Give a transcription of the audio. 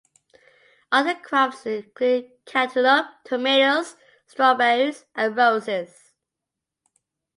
Other crops include cantelope, tomatoes, strawberries and roses.